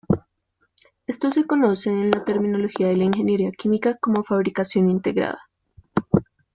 Esto se conoce en la terminología de la ingeniería química como fabricación integrada.